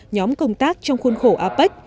nhóm công tác trong khuôn khổ apec